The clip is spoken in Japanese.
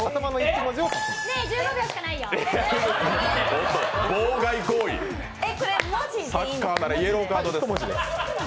おっと妨害行為サッカーならイエローカードです。